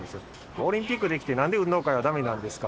オリンピックできて、なんで運動会はだめなんですか？